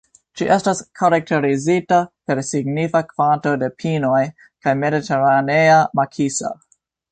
Ĝi estas karakterizita per signifa kvanto de pinoj kaj mediteranea makiso.